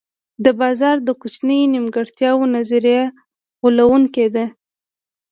د بازار د کوچنیو نیمګړتیاوو نظریه غولوونکې ده.